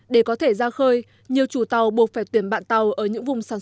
để có thể ra khơi nhiều chủ tàu buộc phải tuyển bạn tàu ở những vùng xã bảo ninh